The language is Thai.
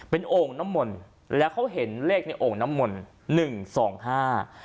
เป็นโอ่งน้ำมนต์แล้วเขาเห็นเลขในโอ่งน้ำมนต์หนึ่งสองห้า